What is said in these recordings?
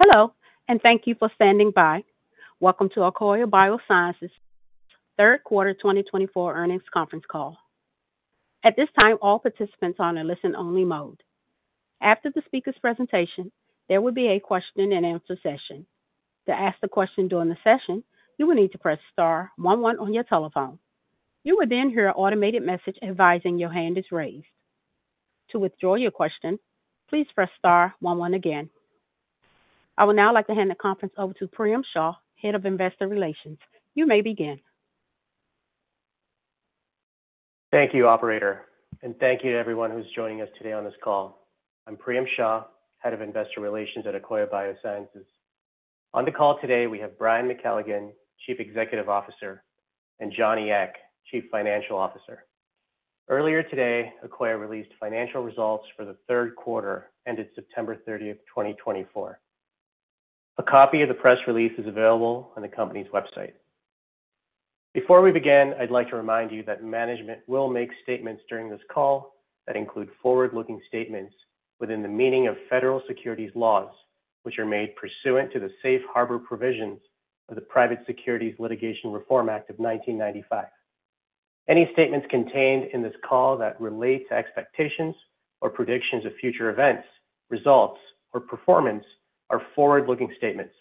Hello, and thank you for standing by. Welcome to Akoya Biosciences' third quarter 2024 earnings conference call. At this time, all participants are on a listen-only mode. After the speaker's presentation, there will be a question-and-answer session. To ask a question during the session, you will need to press star one one on your telephone. You will then hear an automated message advising your hand is raised. To withdraw your question, please press star one one again. I would now like to hand the conference over to Priyam Shah, Head of Investor Relations. You may begin. Thank you, Operator, and thank you to everyone who's joining us today on this call. I'm Priyam Shah, Head of Investor Relations at Akoya Biosciences. On the call today, we have Brian McKelligon, Chief Executive Officer, and John Ek, Chief Financial Officer. Earlier today, Akoya released financial results for the third quarter ended September 30th, 2024. A copy of the press release is available on the company's website. Before we begin, I'd like to remind you that management will make statements during this call that include forward-looking statements within the meaning of federal securities laws, which are made pursuant to the safe harbor provisions of the Private Securities Litigation Reform Act of 1995. Any statements contained in this call that relate to expectations or predictions of future events, results, or performance are forward-looking statements.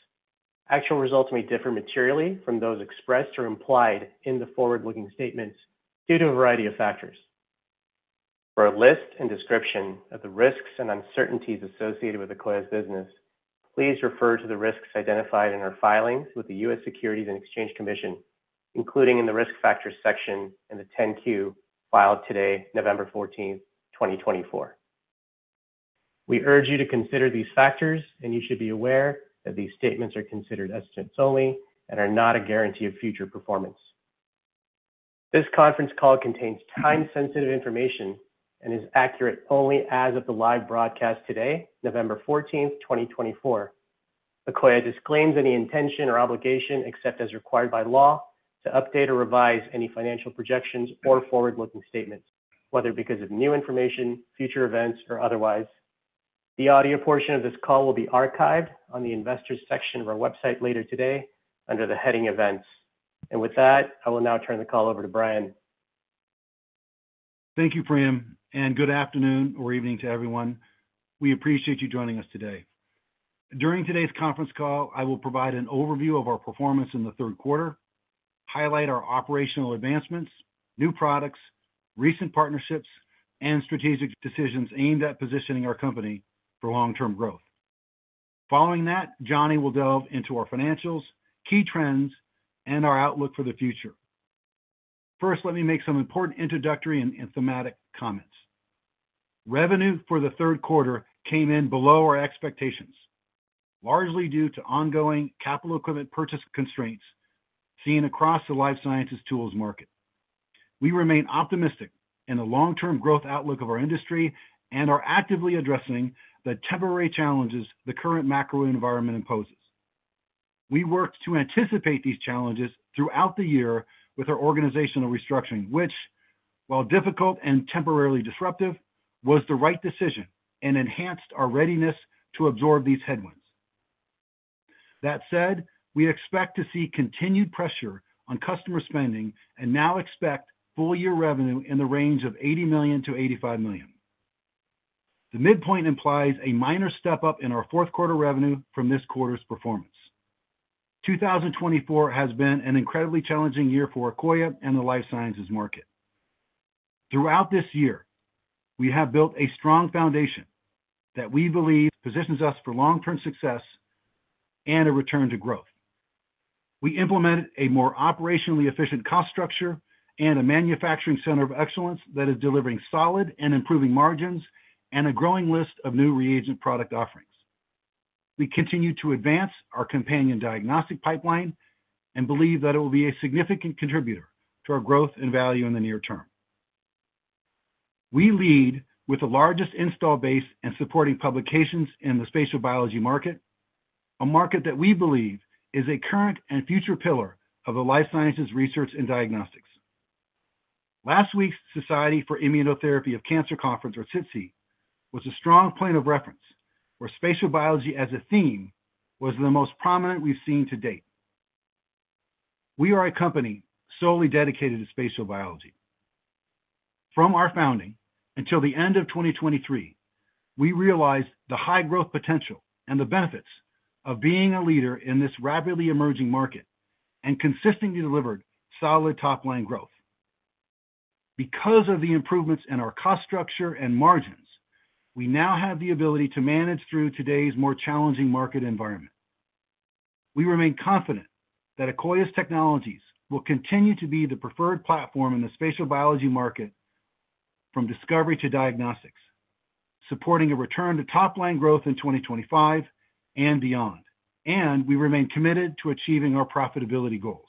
Actual results may differ materially from those expressed or implied in the forward-looking statements due to a variety of factors. For a list and description of the risks and uncertainties associated with Akoya's business, please refer to the risks identified in our filings with the U.S. Securities and Exchange Commission, including in the risk factors section in the 10-Q filed today, November 14th, 2024. We urge you to consider these factors, and you should be aware that these statements are considered estimates only and are not a guarantee of future performance. This conference call contains time-sensitive information and is accurate only as of the live broadcast today, November 14th, 2024. Akoya disclaims any intention or obligation except as required by law to update or revise any financial projections or forward-looking statements, whether because of new information, future events, or otherwise. The audio portion of this call will be archived on the investors' section of our website later today under the heading Events. And with that, I will now turn the call over to Brian. Thank you, Priyam, and good afternoon or evening to everyone. We appreciate you joining us today. During today's conference call, I will provide an overview of our performance in the third quarter, highlight our operational advancements, new products, recent partnerships, and strategic decisions aimed at positioning our company for long-term growth. Following that, Johnny will delve into our financials, key trends, and our outlook for the future. First, let me make some important introductory and thematic comments. Revenue for the third quarter came in below our expectations, largely due to ongoing capital equipment purchase constraints seen across the life sciences tools market. We remain optimistic in the long-term growth outlook of our industry and are actively addressing the temporary challenges the current macro environment imposes. We worked to anticipate these challenges throughout the year with our organizational restructuring, which, while difficult and temporarily disruptive, was the right decision and enhanced our readiness to absorb these headwinds. That said, we expect to see continued pressure on customer spending and now expect full-year revenue in the range of $80 million-$85 million. The midpoint implies a minor step up in our fourth quarter revenue from this quarter's performance. 2024 has been an incredibly challenging year for Akoya and the life sciences market. Throughout this year, we have built a strong foundation that we believe positions us for long-term success and a return to growth. We implemented a more operationally efficient cost structure and a Manufacturing Center of Excellence that is delivering solid and improving margins and a growing list of new reagent product offerings. We continue to advance our companion diagnostic pipeline and believe that it will be a significant contributor to our growth and value in the near term. We lead with the largest install base and supporting publications in the spatial biology market, a market that we believe is a current and future pillar of the life sciences research and diagnostics. Last week's Society for Immunotherapy of Cancer Conference, or SITC, was a strong point of reference where spatial biology as a theme was the most prominent we've seen to date. We are a company solely dedicated to spatial biology. From our founding until the end of 2023, we realized the high growth potential and the benefits of being a leader in this rapidly emerging market and consistently delivered solid top-line growth. Because of the improvements in our cost structure and margins, we now have the ability to manage through today's more challenging market environment. We remain confident that Akoya's technologies will continue to be the preferred platform in the spatial biology market from discovery to diagnostics, supporting a return to top-line growth in 2025 and beyond, and we remain committed to achieving our profitability goals.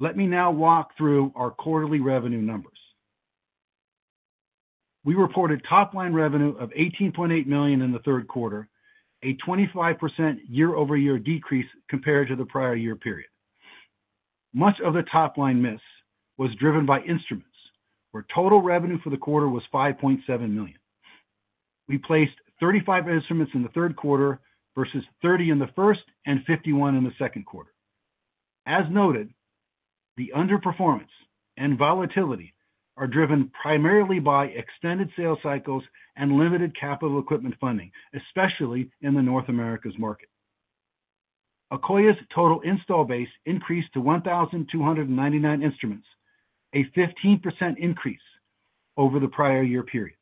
Let me now walk through our quarterly revenue numbers. We reported top-line revenue of $18.8 million in the third quarter, a 25% year-over-year decrease compared to the prior year period. Much of the top-line miss was driven by instruments, where total revenue for the quarter was $5.7 million. We placed 35 instruments in the third quarter versus 30 in the first and 51 in the second quarter. As noted, the underperformance and volatility are driven primarily by extended sales cycles and limited capital equipment funding, especially in the North American market. Akoya's total install base increased to 1,299 instruments, a 15% increase over the prior year period.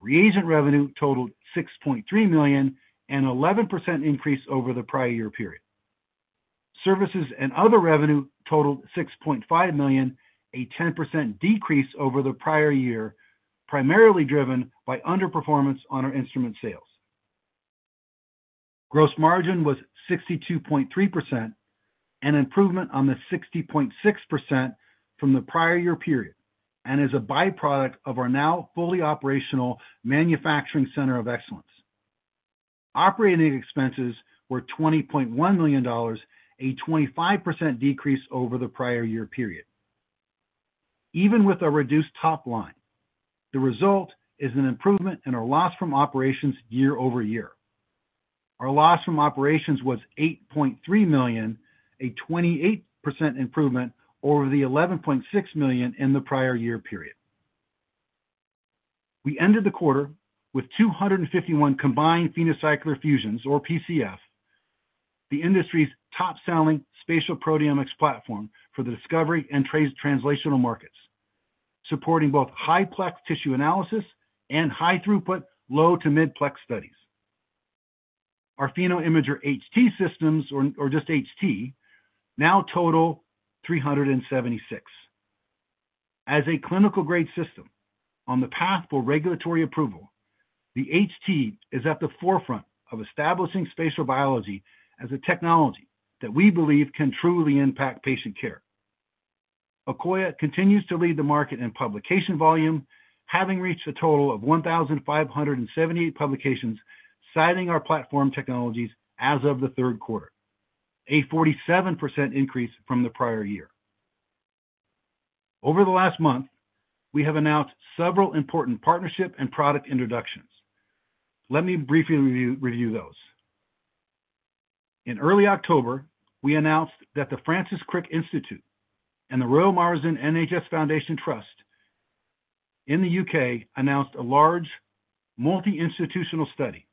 Reagent revenue totaled $6.3 million, an 11% increase over the prior year period. Services and other revenue totaled $6.5 million, a 10% decrease over the prior year, primarily driven by underperformance on our instrument sales. Gross margin was 62.3%, an improvement on the 60.6% from the prior year period, and is a byproduct of our now fully operational manufacturing center of excellence. Operating expenses were $20.1 million, a 25% decrease over the prior year period. Even with a reduced top line, the result is an improvement in our loss from operations year over year. Our loss from operations was $8.3 million, a 28% improvement over the $11.6 million in the prior year period. We ended the quarter with 251 combined PhenoCycler-Fusions, or PCF, the industry's top-selling spatial proteomics platform for the discovery and translational markets, supporting both high-plex tissue analysis and high-throughput low-to-mid-plex studies. Our PhenoImager HT systems, or just HT, now total 376. As a clinical-grade system on the path for regulatory approval, the HT is at the forefront of establishing spatial biology as a technology that we believe can truly impact patient care. Akoya continues to lead the market in publication volume, having reached a total of 1,578 publications citing our platform technologies as of the third quarter, a 47% increase from the prior year. Over the last month, we have announced several important partnership and product introductions. Let me briefly review those. In early October, we announced that The Francis Crick Institute and The Royal Marsden NHS Foundation Trust in the U.K. announced a large multi-institutional study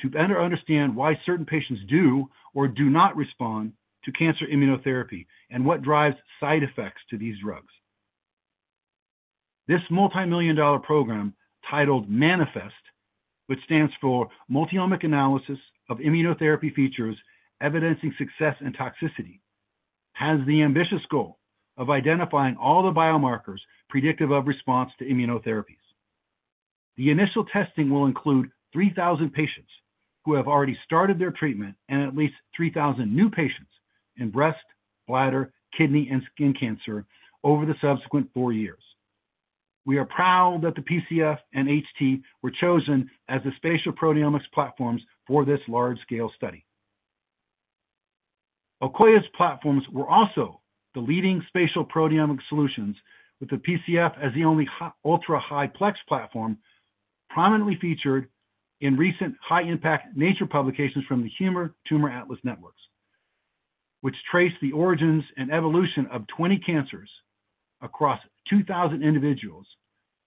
to better understand why certain patients do or do not respond to cancer immunotherapy and what drives side effects to these drugs. This multi-million-dollar program, titled MANIFEST, which stands for Multi-omic Analysis of Immunotherapy Features Evidencing Success and Toxicity, has the ambitious goal of identifying all the biomarkers predictive of response to immunotherapies. The initial testing will include 3,000 patients who have already started their treatment and at least 3,000 new patients in breast, bladder, kidney, and skin cancer over the subsequent four years. We are proud that the PCF and HT were chosen as the spatial proteomics platforms for this large-scale study. Akoya's platforms were also the leading spatial proteomics solutions, with the PCF as the only ultra-high-plex platform prominently featured in recent high-impact Nature publications from the Human Tumor Atlas Network, which traced the origins and evolution of 20 cancers across 2,000 individuals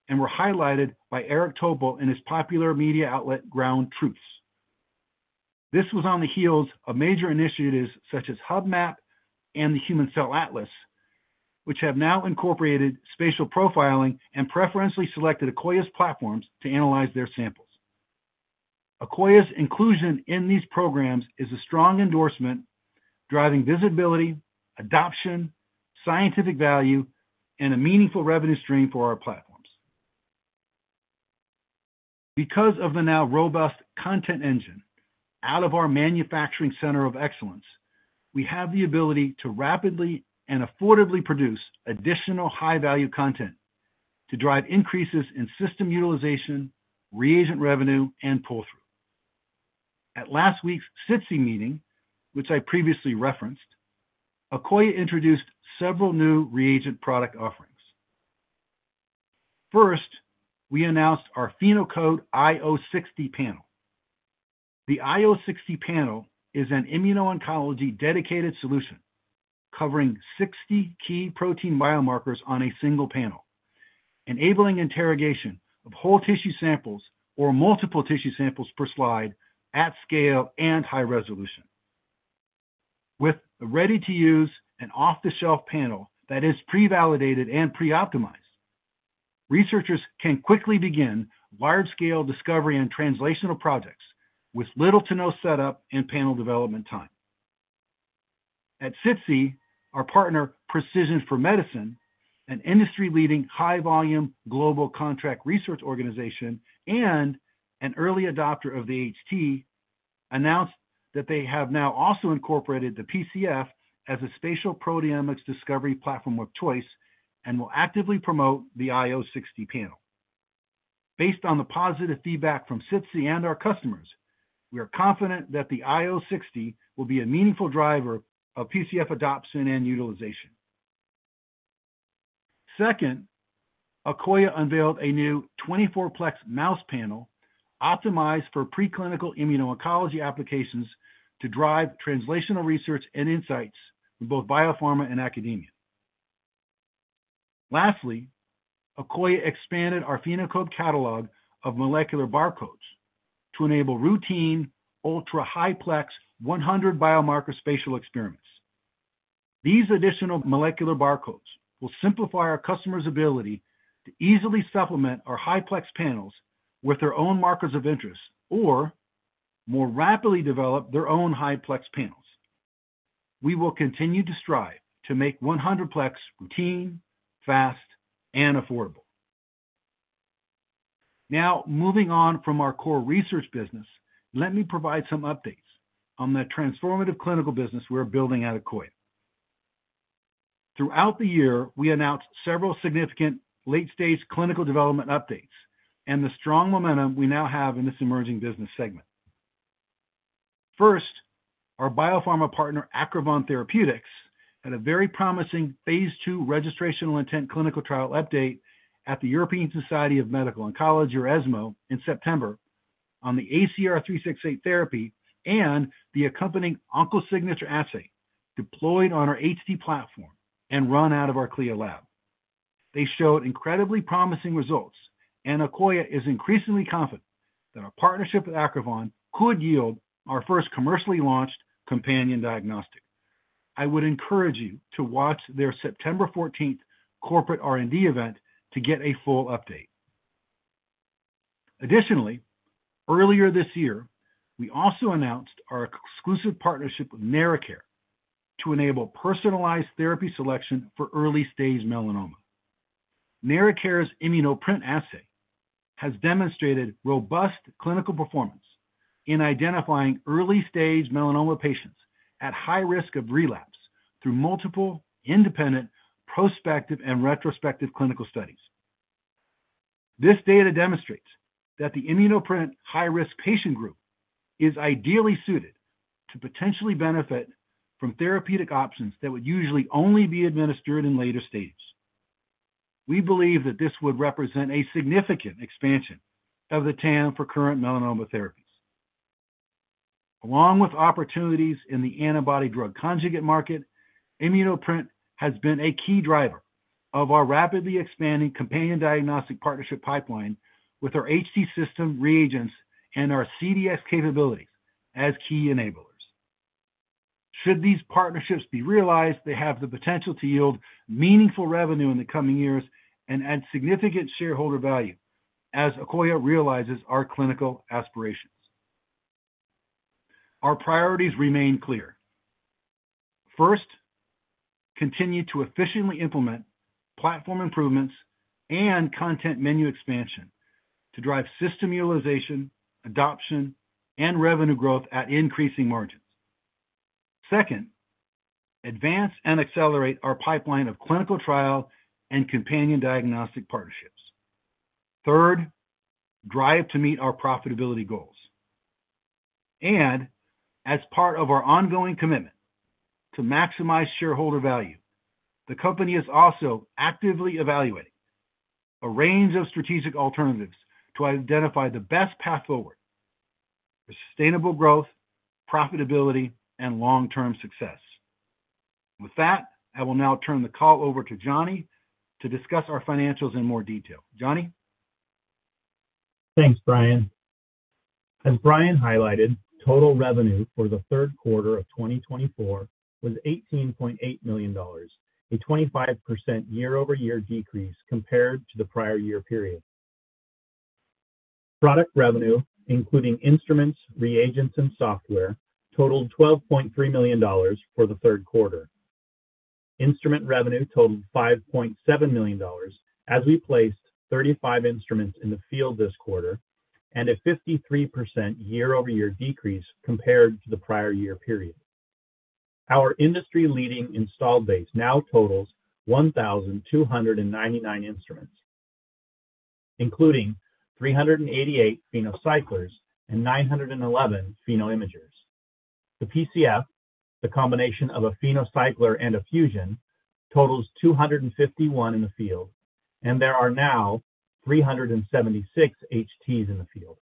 and were highlighted by Eric Topol and his popular media outlet Ground Truths. This was on the heels of major initiatives such as HuBMAP and the Human Cell Atlas, which have now incorporated spatial profiling and preferentially selected Akoya's platforms to analyze their samples. Akoya's inclusion in these programs is a strong endorsement, driving visibility, adoption, scientific value, and a meaningful revenue stream for our platforms. Because of the now robust content engine out of our manufacturing center of excellence, we have the ability to rapidly and affordably produce additional high-value content to drive increases in system utilization, reagent revenue, and pull-through. At last week's SITC meeting, which I previously referenced, Akoya introduced several new reagent product offerings. First, we announced our PhenoCode IO60 panel. The IO60 panel is an immuno-oncology dedicated solution covering 60 key protein biomarkers on a single panel, enabling interrogation of whole tissue samples or multiple tissue samples per slide at scale and high resolution. With a ready-to-use and off-the-shelf panel that is pre-validated and pre-optimized, researchers can quickly begin large-scale discovery and translational projects with little to no setup and panel development time. At SITC, our partner, Precision for Medicine, an industry-leading high-volume global contract research organization and an early adopter of the HT, announced that they have now also incorporated the PCF as a spatial proteomics discovery platform of choice and will actively promote the IO60 panel. Based on the positive feedback from SITC and our customers, we are confident that the IO60 will be a meaningful driver of PCF adoption and utilization. Second, Akoya unveiled a new 24-plex mouse panel optimized for preclinical immuno-oncology applications to drive translational research and insights in both biopharma and academia. Lastly, Akoya expanded our PhenoCode catalog of molecular barcodes to enable routine ultra-high-plex 100 biomarker spatial experiments. These additional molecular barcodes will simplify our customers' ability to easily supplement our high-plex panels with their own markers of interest or more rapidly develop their own high-plex panels. We will continue to strive to make 100-plex routine, fast, and affordable. Now, moving on from our core research business, let me provide some updates on the transformative clinical business we are building at Akoya. Throughout the year, we announced several significant late-stage clinical development updates and the strong momentum we now have in this emerging business segment. First, our biopharma partner, Acrivon Therapeutics, had a very promising phase two registration intent clinical trial update at the European Society for Medical Oncology, or ESMO, in September on the ACR368 therapy and the accompanying OncoSignature assay deployed on our HT platform and run out of our CLIA lab. They showed incredibly promising results, and Akoya is increasingly confident that our partnership with Acrivon could yield our first commercially launched companion diagnostic. I would encourage you to watch their September 14th corporate R&D event to get a full update. Additionally, earlier this year, we also announced our exclusive partnership with NeraCare to enable personalized therapy selection for early-stage melanoma. NeraCare's Immunoprint assay has demonstrated robust clinical performance in identifying early-stage melanoma patients at high risk of relapse through multiple independent prospective and retrospective clinical studies. This data demonstrates that the Immunoprint high-risk patient group is ideally suited to potentially benefit from therapeutic options that would usually only be administered in later stages. We believe that this would represent a significant expansion of the TAM for current melanoma therapies. Along with opportunities in the antibody-drug conjugate market, Immunoprint has been a key driver of our rapidly expanding companion diagnostic partnership pipeline with our HT system, reagents, and our CDX capabilities as key enablers. Should these partnerships be realized, they have the potential to yield meaningful revenue in the coming years and add significant shareholder value as Akoya realizes our clinical aspirations. Our priorities remain clear. First, continue to efficiently implement platform improvements and content menu expansion to drive system utilization, adoption, and revenue growth at increasing margins. Second, advance and accelerate our pipeline of clinical trial and companion diagnostic partnerships. Third, drive to meet our profitability goals, and as part of our ongoing commitment to maximize shareholder value, the company is also actively evaluating a range of strategic alternatives to identify the best path forward for sustainable growth, profitability, and long-term success. With that, I will now turn the call over to Johnny to discuss our financials in more detail. Johnny? Thanks, Brian. As Brian highlighted, total revenue for the third quarter of 2024 was $18.8 million, a 25% year-over-year decrease compared to the prior year period. Product revenue, including instruments, reagents, and software, totaled $12.3 million for the third quarter. Instrument revenue totaled $5.7 million as we placed 35 instruments in the field this quarter and a 53% year-over-year decrease compared to the prior year period. Our industry-leading install base now totals 1,299 instruments, including 388 PhenoCyclers and 911 PhenoImagers. The PCF, the combination of a PhenoCycler and a Fusion, totals 251 in the field, and there are now 376 HTs in the field.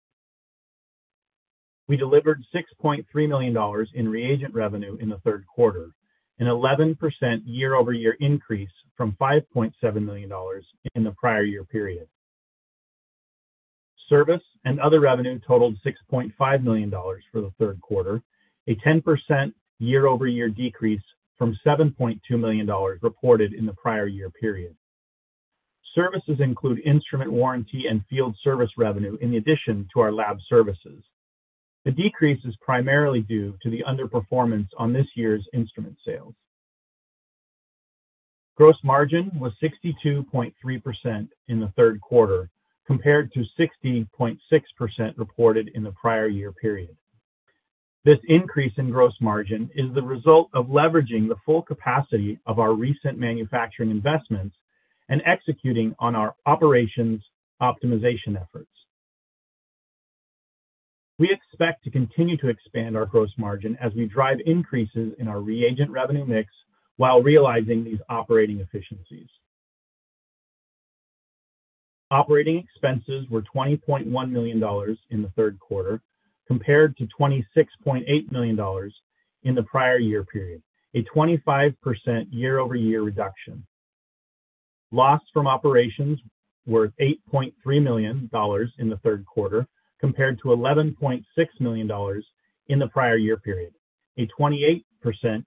We delivered $6.3 million in reagent revenue in the third quarter, an 11% year-over-year increase from $5.7 million in the prior year period. Service and other revenue totaled $6.5 million for the third quarter, a 10% year-over-year decrease from $7.2 million reported in the prior year period. Services include instrument warranty and field service revenue in addition to our lab services. The decrease is primarily due to the underperformance on this year's instrument sales. Gross margin was 62.3% in the third quarter compared to 60.6% reported in the prior year period. This increase in gross margin is the result of leveraging the full capacity of our recent manufacturing investments and executing on our operations optimization efforts. We expect to continue to expand our gross margin as we drive increases in our reagent revenue mix while realizing these operating efficiencies. Operating expenses were $20.1 million in the third quarter compared to $26.8 million in the prior year period, a 25% year-over-year reduction. Loss from operations was $8.3 million in the third quarter compared to $11.6 million in the prior year period, a 28%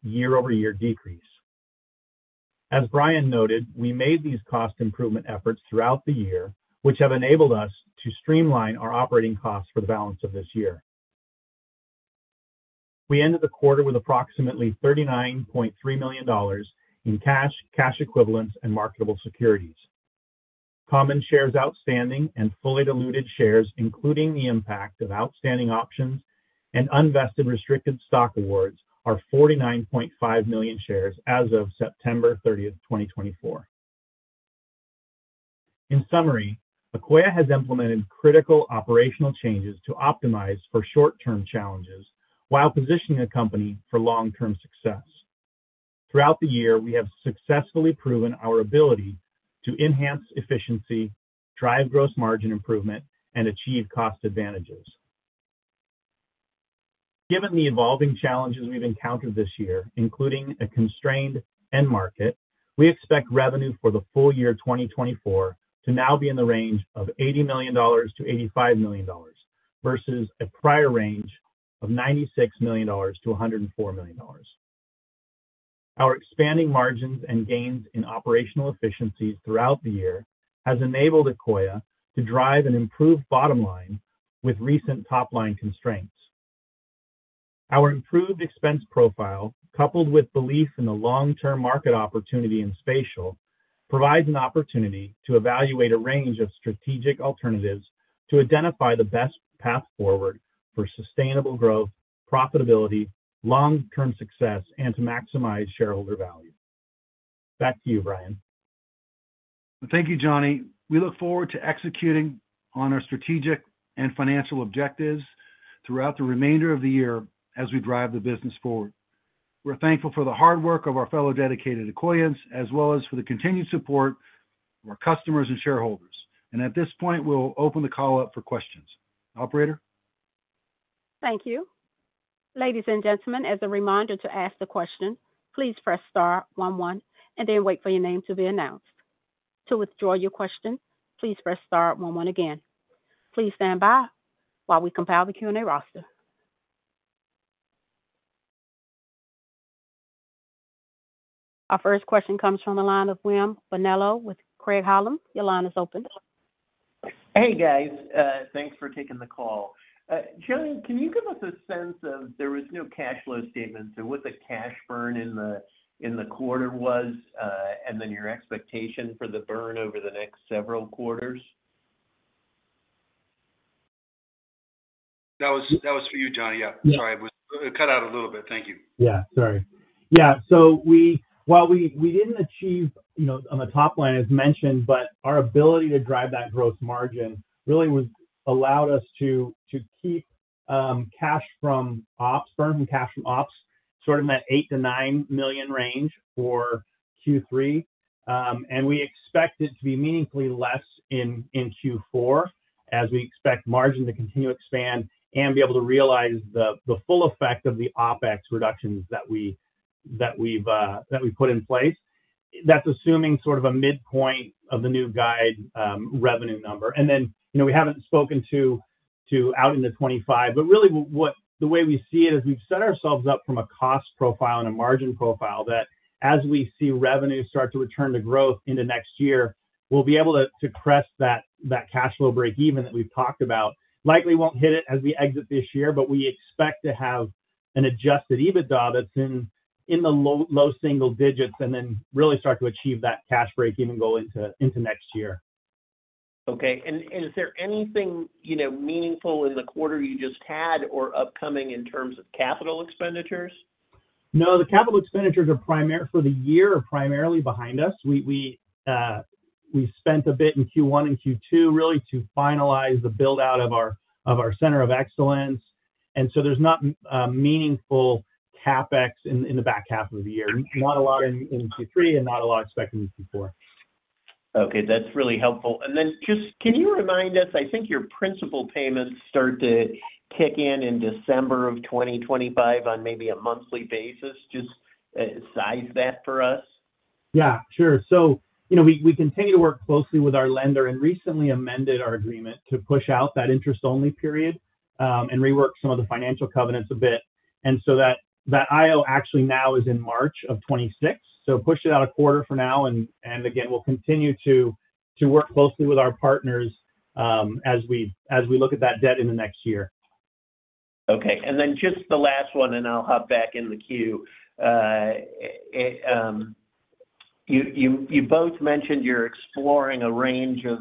year-over-year decrease. As Brian noted, we made these cost improvement efforts throughout the year, which have enabled us to streamline our operating costs for the balance of this year. We ended the quarter with approximately $39.3 million in cash, cash equivalents, and marketable securities. Common shares outstanding and fully diluted shares, including the impact of outstanding options and unvested restricted stock awards, are 49.5 million shares as of September 30th, 2024. In summary, Akoya has implemented critical operational changes to optimize for short-term challenges while positioning the company for long-term success. Throughout the year, we have successfully proven our ability to enhance efficiency, drive gross margin improvement, and achieve cost advantages. Given the evolving challenges we've encountered this year, including a constrained end market, we expect revenue for the full year 2024 to now be in the range of $80 million-$85 million versus a prior range of $96 million-$104 million. Our expanding margins and gains in operational efficiencies throughout the year have enabled Akoya to drive an improved bottom line with recent top-line constraints. Our improved expense profile, coupled with belief in the long-term market opportunity in spatial, provides an opportunity to evaluate a range of strategic alternatives to identify the best path forward for sustainable growth, profitability, long-term success, and to maximize shareholder value. Back to you, Brian. Thank you, Johnny. We look forward to executing on our strategic and financial objectives throughout the remainder of the year as we drive the business forward. We're thankful for the hard work of our fellow dedicated Akoyans as well as for the continued support of our customers and shareholders. And at this point, we'll open the call up for questions. Operator? Thank you. Ladies and gentlemen, as a reminder to ask the question, please press star one one and then wait for your name to be announced. To withdraw your question, please press star one one again. Please stand by while we compile the Q&A roster. Our first question comes from the line of William Bonello with Craig-Hallum. Your line is open. Hey, guys. Thanks for taking the call. Johnny, can you give us a sense of there was no cash flow statement? So what the cash burn in the quarter was and then your expectation for the burn over the next several quarters? That was for you, Johnny. Yeah. Sorry, it cut out a little bit. Thank you. Yeah. Sorry. Yeah. So while we didn't achieve on the top line, as mentioned, but our ability to drive that gross margin really allowed us to keep cash from ops, burn from cash from ops, sort of in that $8 million-$9 million range for Q3. And we expect it to be meaningfully less in Q4 as we expect margin to continue to expand and be able to realize the full effect of the OpEx reductions that we've put in place. That's assuming sort of a midpoint of the new guide revenue number. And then we haven't spoken to out into 2025, but really the way we see it is we've set ourselves up from a cost profile and a margin profile that as we see revenue start to return to growth into next year, we'll be able to press that cash flow break even that we've talked about. Likely won't hit it as we exit this year, but we expect to have an adjusted EBITDA that's in the low single digits and then really start to achieve that cash break even goal into next year. Okay. Is there anything meaningful in the quarter you just had or upcoming in terms of capital expenditures? No, the capital expenditures for the year are primarily behind us. We spent a bit in Q1 and Q2 really to finalize the build-out of our center of excellence. And so there's not meaningful CapEx in the back half of the year. Not a lot in Q3 and not a lot expected in Q4. Okay. That's really helpful. And then just can you remind us, I think your principal payments start to kick in in December of 2025 on maybe a monthly basis? Just size that for us. Yeah. Sure. So we continue to work closely with our lender and recently amended our agreement to push out that interest-only period and rework some of the financial covenants a bit. And so that IO actually now is in March of 2026. So push it out a quarter for now. And again, we'll continue to work closely with our partners as we look at that deal in the next year. Okay. And then just the last one, and I'll hop back in the queue. You both mentioned you're exploring a range of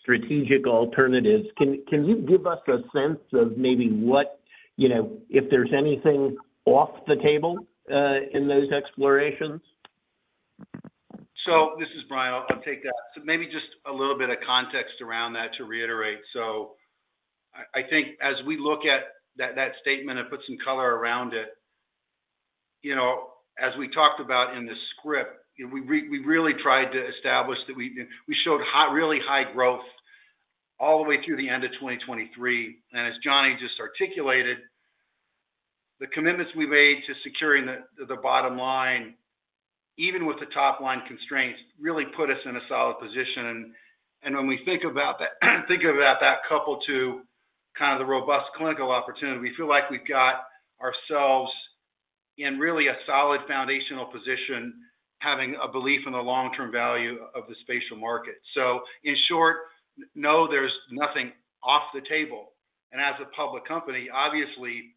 strategic alternatives. Can you give us a sense of maybe what if there's anything off the table in those explorations? So this is Brian. I'll take that. So maybe just a little bit of context around that to reiterate. So I think as we look at that statement and put some color around it, as we talked about in the script, we really tried to establish that we showed really high growth all the way through the end of 2023. And as Johnny just articulated, the commitments we made to securing the bottom line, even with the top-line constraints, really put us in a solid position. And when we think about that coupled to kind of the robust clinical opportunity, we feel like we've got ourselves in really a solid foundational position having a belief in the long-term value of the spatial market. So in short, no, there's nothing off the table. And as a public company, obviously,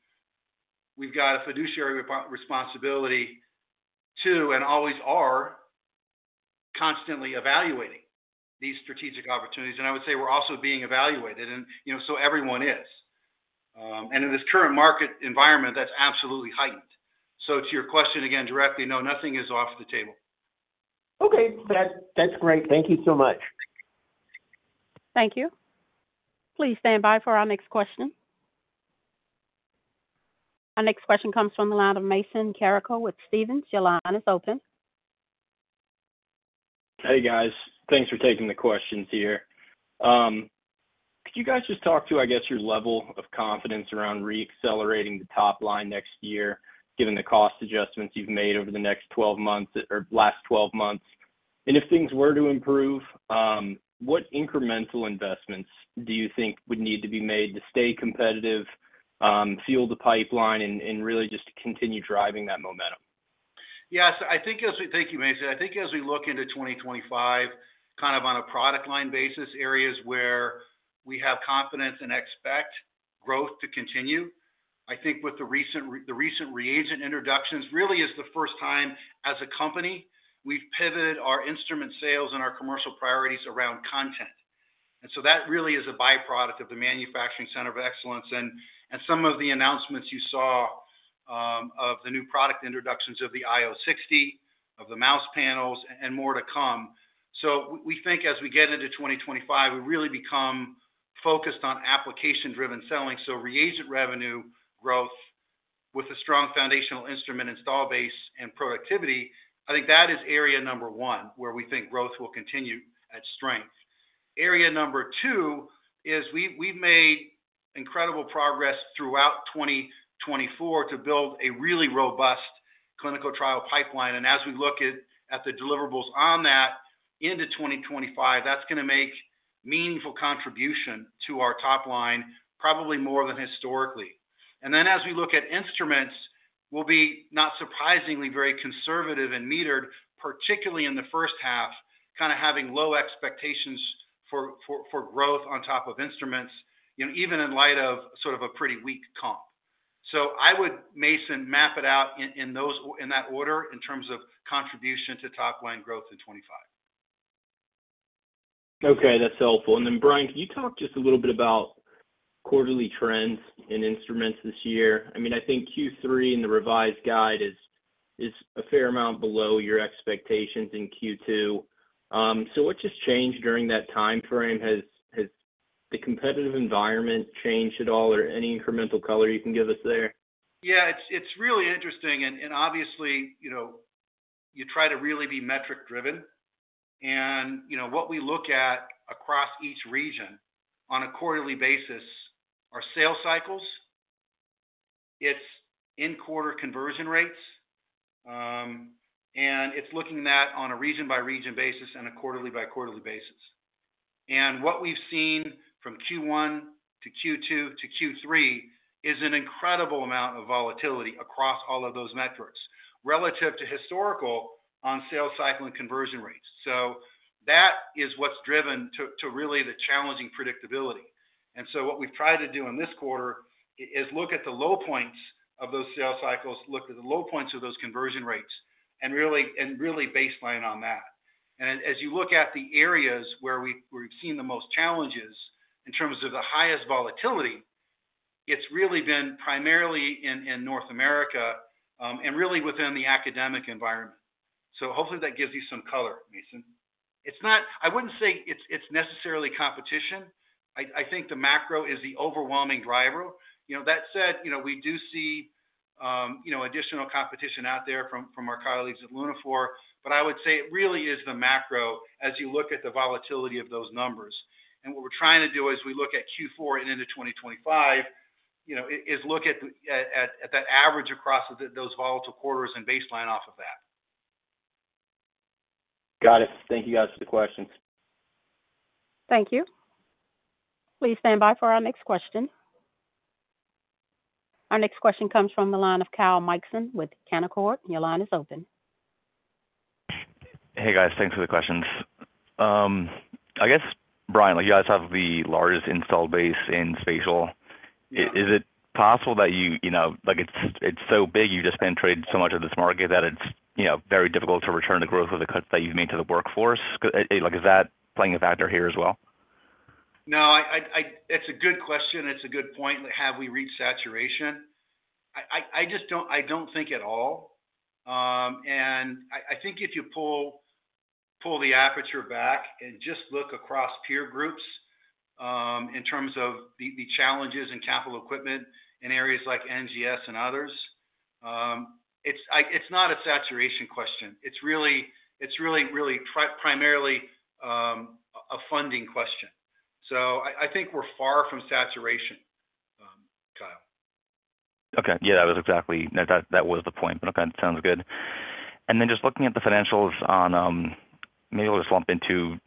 we've got a fiduciary responsibility to and always are constantly evaluating these strategic opportunities. And I would say we're also being evaluated. And so everyone is. And in this current market environment, that's absolutely heightened. So to your question again directly, no, nothing is off the table. Okay. That's great. Thank you so much. Thank you. Please stand by for our next question. Our next question comes from the line of Mason Carrico with Stephens. Your line is open. Hey, guys. Thanks for taking the questions here. Could you guys just talk to, I guess, your level of confidence around reaccelerating the top line next year, given the cost adjustments you've made over the next 12 months or last 12 months? And if things were to improve, what incremental investments do you think would need to be made to stay competitive, fuel the pipeline, and really just continue driving that momentum? Yeah. So I think as we thank you, Mason. I think as we look into 2025, kind of on a product line basis, areas where we have confidence and expect growth to continue. I think with the recent reagent introductions, really is the first time as a company, we've pivoted our instrument sales and our commercial priorities around content. And so that really is a byproduct of the Manufacturing Center of Excellence and some of the announcements you saw of the new product introductions of the IO60, of the mouse panels, and more to come. So we think as we get into 2025, we really become focused on application-driven selling. So reagent revenue growth with a strong foundational instrument install base and productivity, I think that is area number one where we think growth will continue at strength. Area number two is we've made incredible progress throughout 2024 to build a really robust clinical trial pipeline. And as we look at the deliverables on that into 2025, that's going to make meaningful contribution to our top line probably more than historically. And then as we look at instruments, we'll be not surprisingly very conservative and metered, particularly in the first half, kind of having low expectations for growth on top of instruments, even in light of sort of a pretty weak comp. So I would, Mason, map it out in that order in terms of contribution to top-line growth in 2025. Okay. That's helpful. And then, Brian, can you talk just a little bit about quarterly trends in instruments this year? I mean, I think Q3 in the revised guide is a fair amount below your expectations in Q2. So what just changed during that time frame? Has the competitive environment changed at all or any incremental color you can give us there? Yeah. It's really interesting. And obviously, you try to really be metric-driven. What we look at across each region on a quarterly basis are sales cycles, it's in-quarter conversion rates, and it's looking at that on a region-by-region basis and a quarterly-by-quarterly basis. What we've seen from Q1 to Q2 to Q3 is an incredible amount of volatility across all of those metrics relative to historical on sales cycle and conversion rates. So that is what's driven to really the challenging predictability. So what we've tried to do in this quarter is look at the low points of those sales cycles, look at the low points of those conversion rates, and really baseline on that. As you look at the areas where we've seen the most challenges in terms of the highest volatility, it's really been primarily in North America and really within the academic environment. So hopefully that gives you some color, Mason. I wouldn't say it's necessarily competition. I think the macro is the overwhelming driver. That said, we do see additional competition out there from our colleagues at Lunaphore, but I would say it really is the macro as you look at the volatility of those numbers, and what we're trying to do as we look at Q4 and into 2025 is look at that average across those volatile quarters and baseline off of that. Got it. Thank you, guys, for the questions. Thank you. Please stand by for our next question. Our next question comes from the line of Kyle Mikson with Canaccord. Your line is open. Hey, guys. Thanks for the questions. I guess, Brian, you guys have the largest install base in spatial. Is it possible that it's so big you just penetrated so much of this market that it's very difficult to return the growth that you've made to the workforce? Is that playing a factor here as well? No, it's a good question. It's a good point. Have we reached saturation? I don't think at all. And I think if you pull the aperture back and just look across peer groups in terms of the challenges in capital equipment in areas like NGS and others, it's not a saturation question. It's really, really primarily a funding question. So I think we're far from saturation, Kyle. Okay. Yeah, that was exactly the point. Okay. Sounds good. And then just looking at the financials, maybe we'll just lump into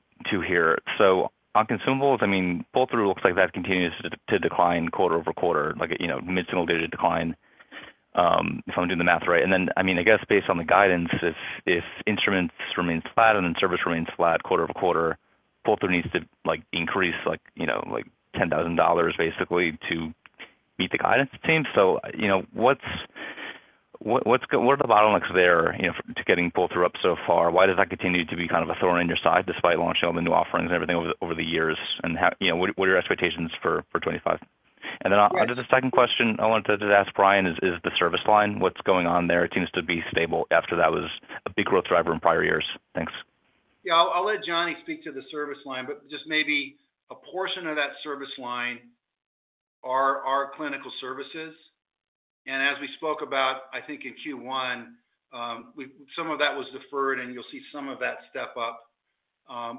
here. So on consumables, I mean, pull-through looks like that continues to decline quarter over quarter, mid-single digit decline, if I'm doing the math right. And then, I mean, I guess based on the guidance, if instruments remain flat and then service remains flat quarter over quarter, pull-through needs to increase like $10,000 basically to meet the guidance team. So what are the bottlenecks there to getting pull-through up so far? Why does that continue to be kind of a thorn in your side despite launching all the new offerings and everything over the years? And what are your expectations for 2025? And then just a second question I wanted to ask Brian is the service line. What's going on there? It seems to be stable after that was a big growth driver in prior years. Thanks. Yeah. I'll let Johnny speak to the service line, but just maybe a portion of that service line are clinical services. And as we spoke about, I think in Q1, some of that was deferred, and you'll see some of that step up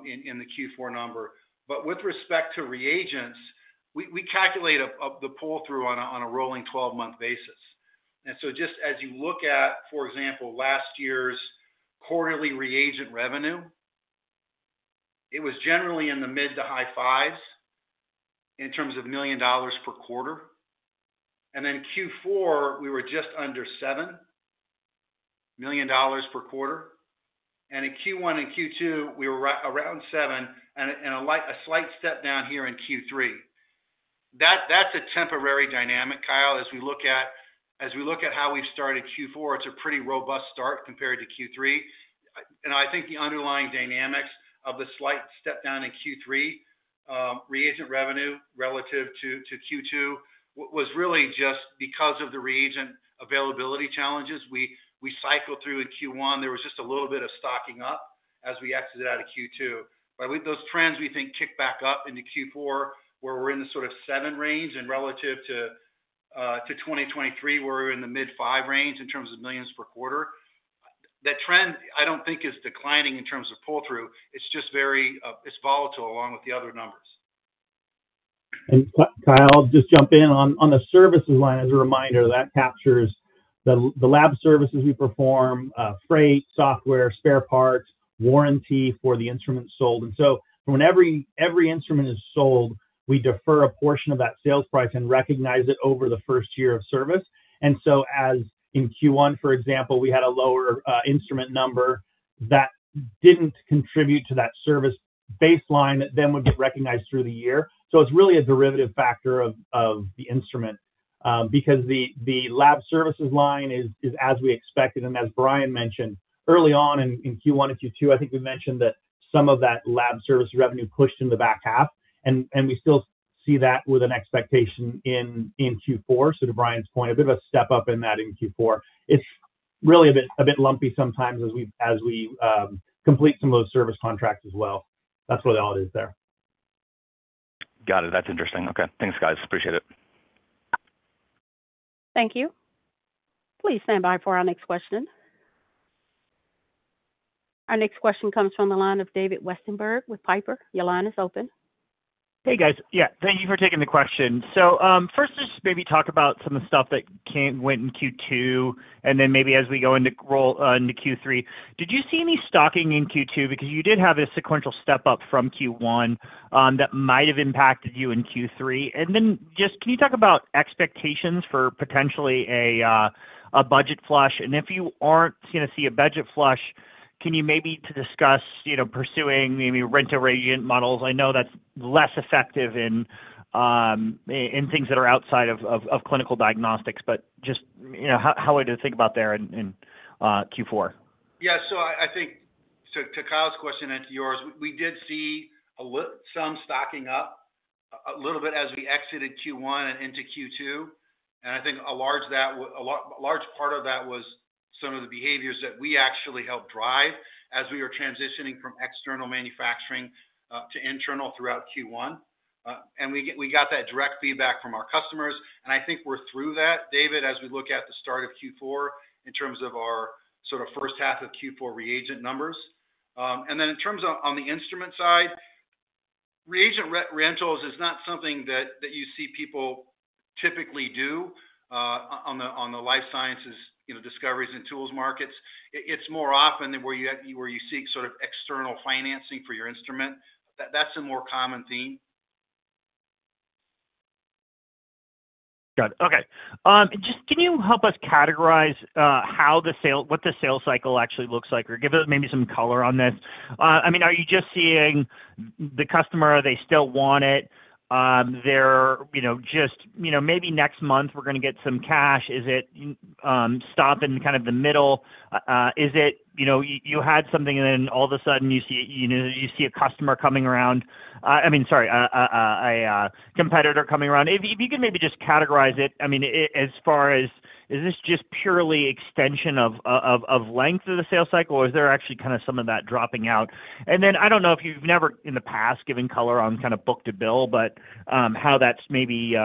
in the Q4 number. But with respect to reagents, we calculate the pull-through on a rolling 12-month basis. And so just as you look at, for example, last year's quarterly reagent revenue, it was generally in the mid to high fives in terms of million dollars per quarter. And then Q4, we were just under $7 million per quarter. And in Q1 and Q2, we were around 7 and a slight step down here in Q3. That's a temporary dynamic, Kyle. As we look at how we've started Q4, it's a pretty robust start compared to Q3. I think the underlying dynamics of the slight step down in Q3 reagent revenue relative to Q2 was really just because of the reagent availability challenges. We cycled through in Q1. There was just a little bit of stocking up as we exited out of Q2. Those trends, we think, kicked back up into Q4 where we're in the sort of $7 range and relative to 2023, we're in the mid-$5 range in terms of millions per quarter. That trend, I don't think, is declining in terms of pull-through. It's just very volatile along with the other numbers. Kyle, I'll just jump in on the services line as a reminder. That captures the lab services we perform, freight, software, spare parts, warranty for the instruments sold. And so when every instrument is sold, we defer a portion of that sales price and recognize it over the first year of service. And so as in Q1, for example, we had a lower instrument number that didn't contribute to that service baseline that then would get recognized through the year. So it's really a derivative factor of the instrument because the lab services line is, as we expected, and as Brian mentioned, early on in Q1 and Q2. I think we mentioned that some of that lab service revenue pushed in the back half. And we still see that with an expectation in Q4. So to Brian's point, a bit of a step up in that in Q4. It's really a bit lumpy sometimes as we complete some of those service contracts as well. That's what it all is there. Got it. That's interesting. Okay. Thanks, guys. Appreciate it. Thank you. Please stand by for our next question. Our next question comes from the line of David Westenberg with Piper Sandler. Your line is open. Hey, guys. Yeah. Thank you for taking the question. So first, let's just maybe talk about some of the stuff that went in Q2 and then maybe as we go into Q3. Did you see any stocking in Q2 because you did have a sequential step up from Q1 that might have impacted you in Q3? And then just can you talk about expectations for potentially a budget flush? And if you aren't going to see a budget flush, can you maybe discuss pursuing maybe rental reagent models? I know that's less effective in things that are outside of clinical diagnostics, but just how would you think about there in Q4? Yeah. So I think to Kyle's question and to yours, we did see some stocking up a little bit as we exited Q1 and into Q2. And I think a large part of that was some of the behaviors that we actually helped drive as we were transitioning from external manufacturing to internal throughout Q1. And we got that direct feedback from our customers. And I think we're through that, David, as we look at the start of Q4 in terms of our sort of first half of Q4 reagent numbers. And then in terms of on the instrument side, reagent rentals is not something that you see people typically do on the life sciences discovery and tools markets. It's more often where you seek sort of external financing for your instrument. That's a more common theme. Got it. Okay. And just, can you help us categorize what the sales cycle actually looks like or give us maybe some color on this? I mean, are you just seeing the customer? Are they still want it? They're just maybe next month we're going to get some cash. Is it stopping kind of the middle? Is it you had something and then all of a sudden you see a customer coming around? I mean, sorry, a competitor coming around. If you could maybe just categorize it, I mean, as far as is this just purely extension of length of the sales cycle or is there actually kind of some of that dropping out? And then I don't know if you've never in the past given color on kind of book-to-bill, but how that's maybe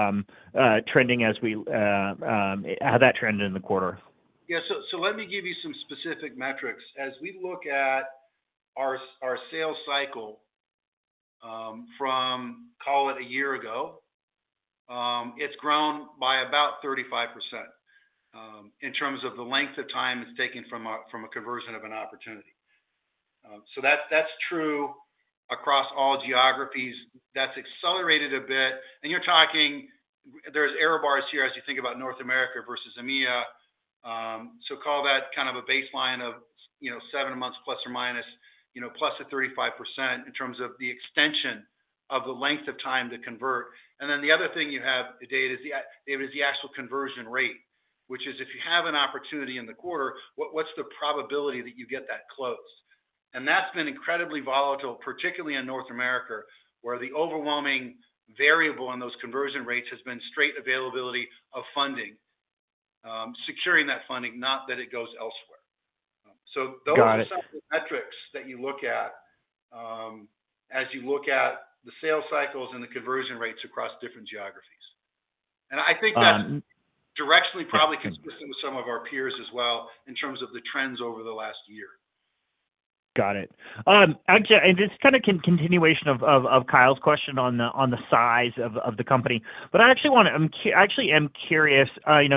trending as we how that trended in the quarter. Yeah. So let me give you some specific metrics. As we look at our sales cycle from, call it a year ago, it's grown by about 35% in terms of the length of time it's taken from a conversion of an opportunity. So that's true across all geographies. That's accelerated a bit. And you're talking there's error bars here as you think about North America versus EMEA. So call that kind of a baseline of seven months plus or minus, plus the 35% in terms of the extension of the length of time to convert. And then the other thing you have, David, is the actual conversion rate, which is if you have an opportunity in the quarter, what's the probability that you get that closed? And that's been incredibly volatile, particularly in North America, where the overwhelming variable in those conversion rates has been straight availability of funding, securing that funding, not that it goes elsewhere. So those are some of the metrics that you look at as you look at the sales cycles and the conversion rates across different geographies. And I think that's directionally probably consistent with some of our peers as well in terms of the trends over the last year. Got it. And just kind of continuation of Kyle's question on the size of the company. But I actually am curious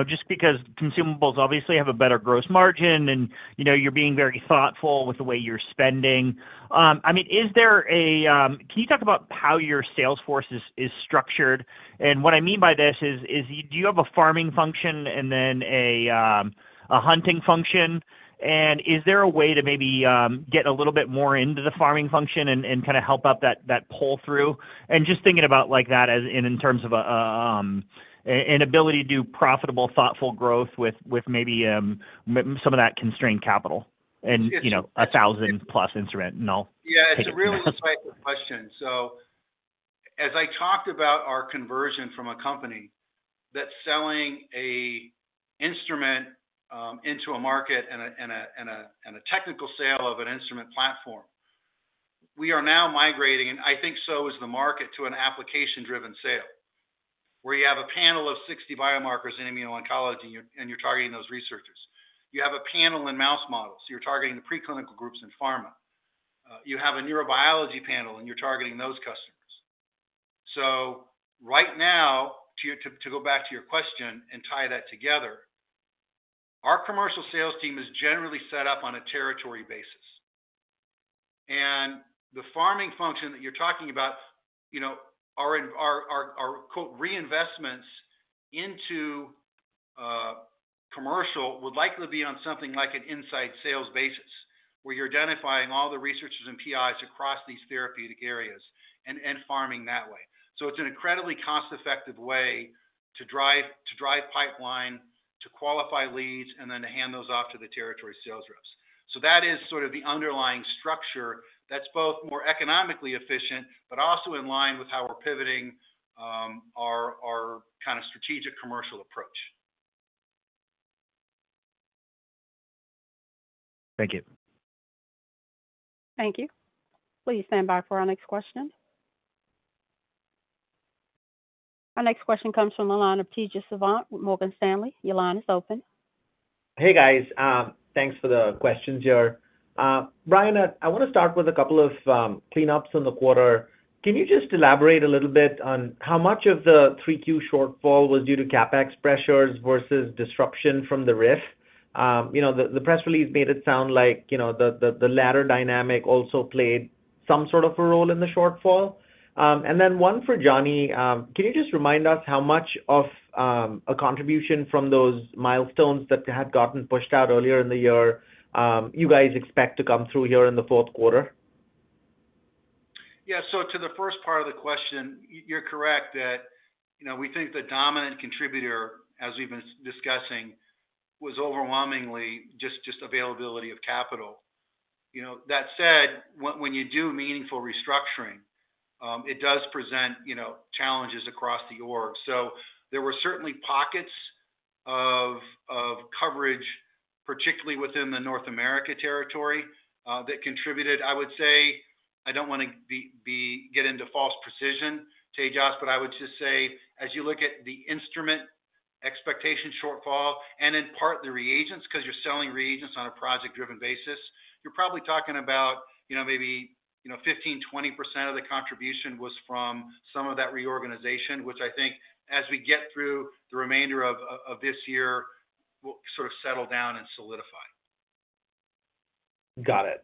just because consumables obviously have a better gross margin and you're being very thoughtful with the way you're spending. I mean, can you talk about how your sales force is structured? And what I mean by this is do you have a farming function and then a hunting function? Is there a way to maybe get a little bit more into the farming function and kind of beef up that pull-through? And just thinking about that in terms of an ability to do profitable, thoughtful growth with maybe some of that constrained capital and 1,000-plus instruments and all. Yeah. It's a really tricky question. So as I talked about our conversion from a company that's selling an instrument into a market and a technical sale of an instrument platform, we are now migrating, and I think so is the market, to an application-driven sale where you have a panel of 60 biomarkers in immuno-oncology and you're targeting those researchers. You have a panel in mouse models. You're targeting the preclinical groups in pharma. You have a neurobiology panel and you're targeting those customers. So right now, to go back to your question and tie that together, our commercial sales team is generally set up on a territory basis. And the farming function that you're talking about, our "reinvestments" into commercial would likely be on something like an inside sales basis where you're identifying all the researchers and PIs across these therapeutic areas and farming that way. So it's an incredibly cost-effective way to drive pipeline, to qualify leads, and then to hand those off to the territory sales reps. So that is sort of the underlying structure that's both more economically efficient, but also in line with how we're pivoting our kind of strategic commercial approach. Thank you. Thank you. Please stand by for our next question. Our next question comes from the line of Tejas Savant with Morgan Stanley. Your line is open. Hey, guys. Thanks for the questions here. Brian, I want to start with a couple of cleanups in the quarter. Can you just elaborate a little bit on how much of the 3Q shortfall was due to CapEx pressures versus disruption from the RIF? The press release made it sound like the latter dynamic also played some sort of a role in the shortfall. Then one for Johnny, can you just remind us how much of a contribution from those milestones that had gotten pushed out earlier in the year you guys expect to come through here in the fourth quarter? Yeah. To the first part of the question, you're correct that we think the dominant contributor, as we've been discussing, was overwhelmingly just availability of capital. That said, when you do meaningful restructuring, it does present challenges across the org. So there were certainly pockets of coverage, particularly within the North America territory, that contributed. I would say, I don't want to get into false precision, Tejas, but I would just say, as you look at the instrument expectation shortfall and in part the reagents, because you're selling reagents on a project-driven basis, you're probably talking about maybe 15%-20% of the contribution was from some of that reorganization, which I think, as we get through the remainder of this year, will sort of settle down and solidify. Got it.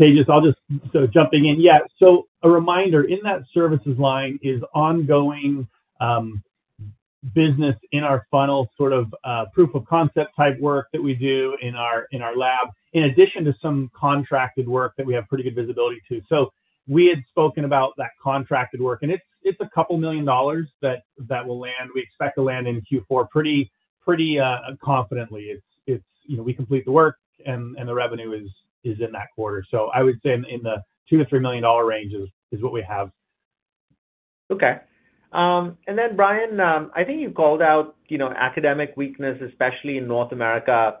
Tejas, I'll just jump in. Yeah. So a reminder, in that services line is ongoing business in our funnel, sort of proof of concept type work that we do in our lab, in addition to some contracted work that we have pretty good visibility to. We had spoken about that contracted work, and it's $2 million that will land. We expect to land in Q4 pretty confidently. We complete the work, and the revenue is in that quarter. So I would say in the $2-$3 million range is what we have. Okay. And then, Brian, I think you called out academic weakness, especially in North America.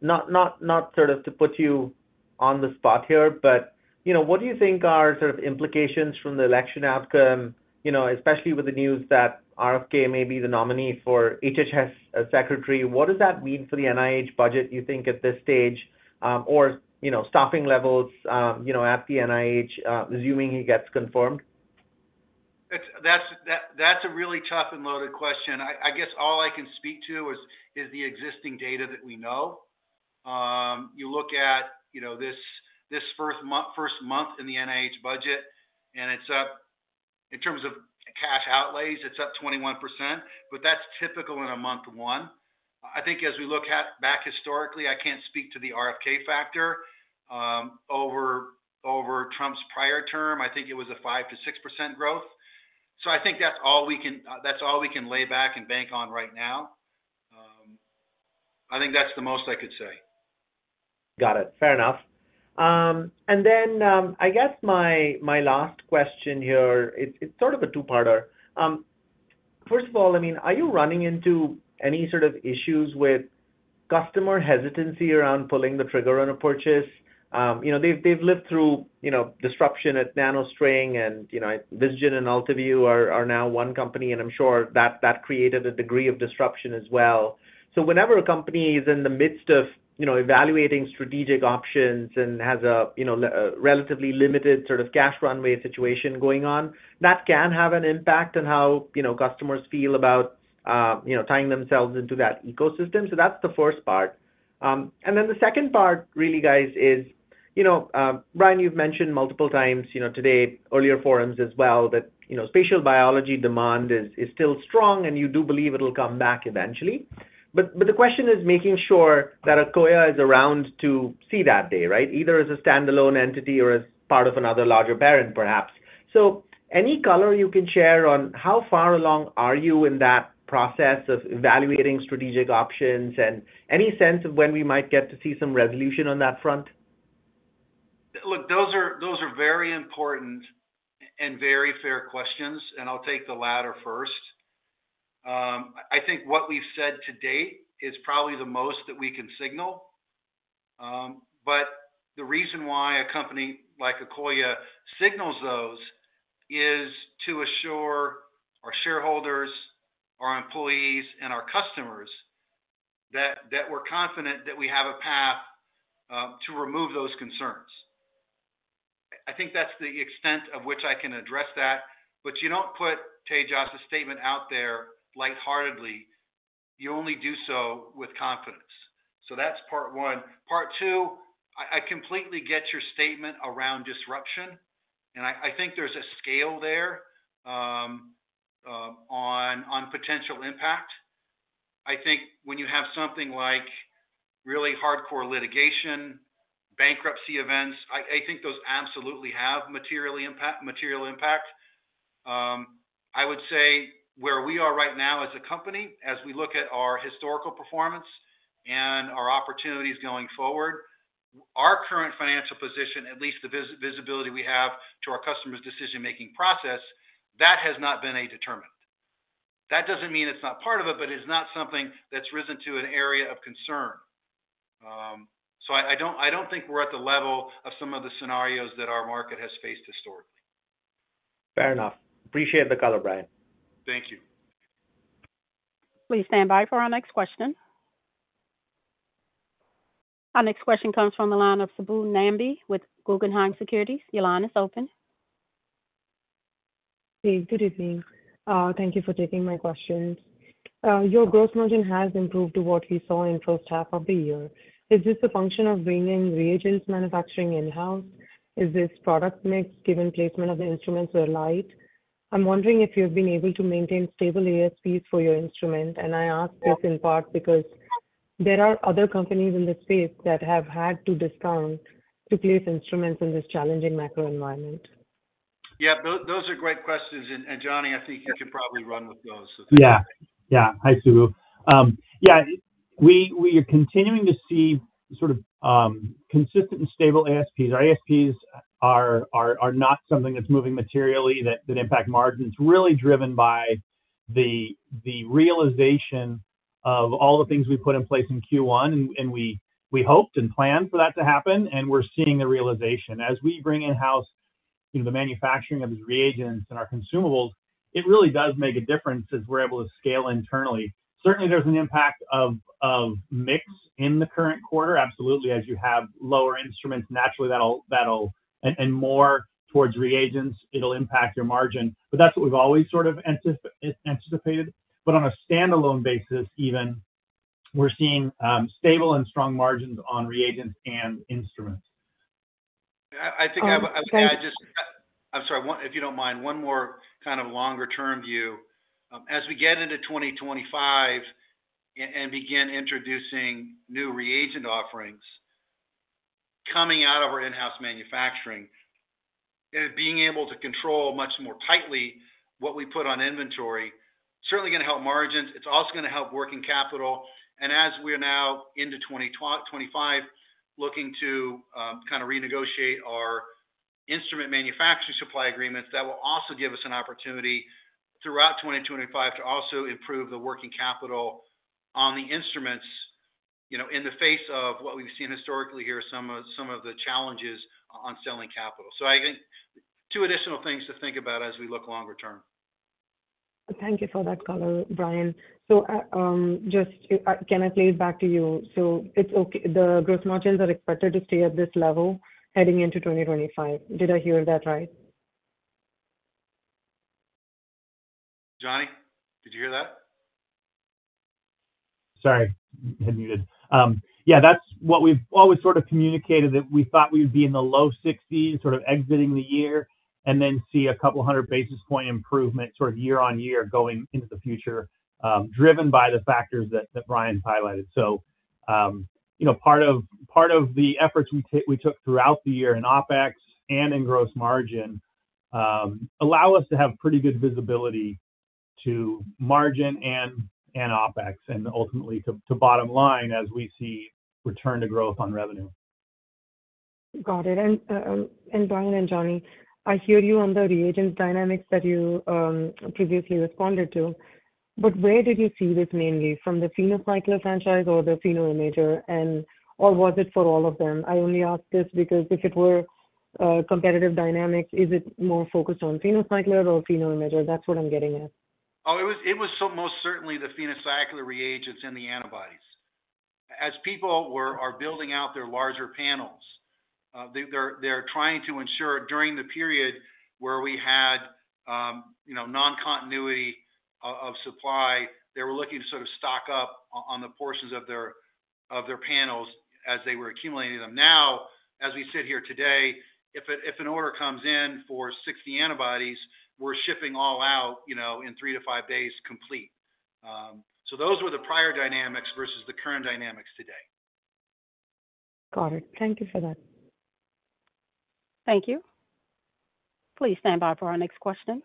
Not sort of to put you on the spot here, but what do you think are sort of implications from the election outcome, especially with the news that RFK may be the nominee for HHS secretary? What does that mean for the NIH budget, you think, at this stage, or staffing levels at the NIH, assuming he gets confirmed? That's a really tough and loaded question. I guess all I can speak to is the existing data that we know. You look at this first month in the NIH budget, and in terms of cash outlays, it's up 21%, but that's typical in a month one. I think as we look back historically, I can't speak to the RFK factor. Over Trump's prior term, I think it was a 5%-6% growth. So I think that's all we can lay back and bank on right now. I think that's the most I could say. Got it. Fair enough. And then I guess my last question here, it's sort of a two-parter. First of all, I mean, are you running into any sort of issues with customer hesitancy around pulling the trigger on a purchase? They've lived through disruption at NanoString, and Vizgen and Ultivue are now one company, and I'm sure that created a degree of disruption as well. So whenever a company is in the midst of evaluating strategic options and has a relatively limited sort of cash runway situation going on, that can have an impact on how customers feel about tying themselves into that ecosystem. So that's the first part. And then the second part, really, guys, is Brian, you've mentioned multiple times today, earlier forums as well, that spatial biology demand is still strong, and you do believe it'll come back eventually. But the question is making sure that Akoya is around to see that day, right, either as a standalone entity or as part of another larger parent, perhaps. So any color you can share on how far along are you in that process of evaluating strategic options and any sense of when we might get to see some resolution on that front? Look, those are very important and very fair questions, and I'll take the latter first. I think what we've said to date is probably the most that we can signal. But the reason why a company like Akoya signals those is to assure our shareholders, our employees, and our customers that we're confident that we have a path to remove those concerns. I think that's the extent of which I can address that. But you don't put, Tejas, a statement out there lightheartedly. You only do so with confidence. So that's part one. Part two, I completely get your statement around disruption. And I think there's a scale there on potential impact. I think when you have something like really hardcore litigation, bankruptcy events, I think those absolutely have material impact. I would say where we are right now as a company, as we look at our historical performance and our opportunities going forward, our current financial position, at least the visibility we have to our customer's decision-making process, that has not been a determinant. That doesn't mean it's not part of it, but it's not something that's risen to an area of concern. So I don't think we're at the level of some of the scenarios that our market has faced historically. Fair enough. Appreciate the color, Brian. Thank you. Please stand by for our next question. Our next question comes from the line of Subbu Nambi with Guggenheim Securities. Your line is open. Hey, good evening. Thank you for taking my questions. Your gross margin has improved to what we saw in the first half of the year. Is this a function of bringing reagents manufacturing in-house? Is this product mix given placement of the instruments relied? I'm wondering if you've been able to maintain stable ASPs for your instrument, and I ask this in part because there are other companies in the space that have had to discount to place instruments in this challenging macro environment. Yeah. Those are great questions. And Johnny, I think you should probably run with those. Yeah. Yeah. Hi, Subbu. Yeah. We are continuing to see sort of consistent and stable ASPs. Our ASPs are not something that's moving materially that impact margins. It's really driven by the realization of all the things we put in place in Q1, and we hoped and planned for that to happen, and we're seeing the realization. As we bring in-house the manufacturing of these reagents and our consumables, it really does make a difference as we're able to scale internally. Certainly, there's an impact of mix in the current quarter. Absolutely. As you have lower instruments, naturally, and more towards reagents, it'll impact your margin. But that's what we've always sort of anticipated. But on a standalone basis, even, we're seeing stable and strong margins on reagents and instruments. I think. I'm sorry. If you don't mind, one more kind of longer-term view. As we get into 2025 and begin introducing new reagent offerings coming out of our in-house manufacturing, being able to control much more tightly what we put on inventory is certainly going to help margins. It's also going to help working capital. And as we're now into 2025, looking to kind of renegotiate our instrument manufacturing supply agreements, that will also give us an opportunity throughout 2025 to also improve the working capital on the instruments in the face of what we've seen historically here, some of the challenges on selling capital. So I think two additional things to think about as we look longer-term. Thank you for that color, Brian. So just can I play it back to you? So the gross margins are expected to stay at this level heading into 2025. Did I hear that right? Johnny, did you hear that? Sorry. Had muted. Yeah. That's what we've always sort of communicated, that we thought we would be in the low 60s, sort of exiting the year, and then see a couple hundred basis point improvement sort of year on year going into the future, driven by the factors that Brian highlighted. So part of the efforts we took throughout the year in OpEx and in gross margin allow us to have pretty good visibility to margin and OpEx, and ultimately to bottom line as we see return to growth on revenue. Got it. And Brian and Johnny, I hear you on the reagent dynamics that you previously responded to. But where did you see this mainly? From the PhenoCycler franchise or the PhenoImager? Or was it for all of them? I only ask this because if it were competitive dynamics, is it more focused on PhenoCycler or PhenoImager? That's what I'm getting at. Oh, it was most certainly the PhenoCycler reagents and the antibodies. As people are building out their larger panels, they're trying to ensure during the period where we had non-continuity of supply, they were looking to sort of stock up on the portions of their panels as they were accumulating them. Now, as we sit here today, if an order comes in for 60 antibodies, we're shipping all out in three to five days complete. So those were the prior dynamics versus the current dynamics today. Got it. Thank you for that. Thank you. Please stand by for our next question.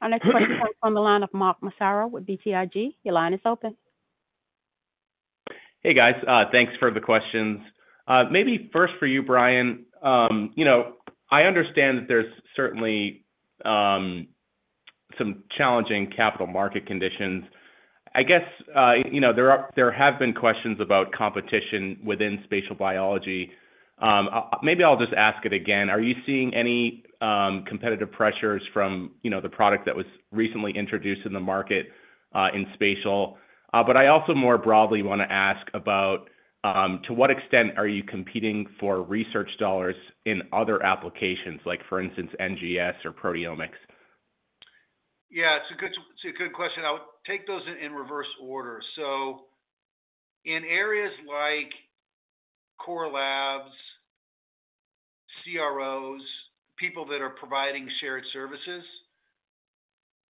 Our next question comes from the line of Mark Massara with BTIG. Your line is open. Hey, guys. Thanks for the questions. Maybe first for you, Brian, I understand that there's certainly some challenging capital market conditions. I guess there have been questions about competition within spatial biology. Maybe I'll just ask it again. Are you seeing any competitive pressures from the product that was recently introduced in the market in spatial? But I also more broadly want to ask about to what extent are you competing for research dollars in other applications, like for instance, NGS or proteomics? Yeah. It's a good question. I would take those in reverse order. So in areas like core labs, CROs, people that are providing shared services,